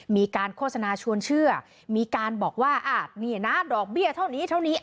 มีการโฆษณาชวนเชื่อมีการบอกว่านี่นะดอกเบี้ยเท่านี้เท่านี้